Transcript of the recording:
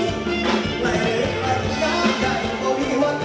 หลักใกล้เหลือใกล้ย้ำใยวันที่วัน